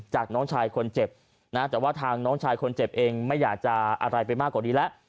น้องชายคนเจ็บนะแต่ว่าทางน้องชายคนเจ็บเองไม่อยากจะอะไรไปมากกว่านี้แล้ว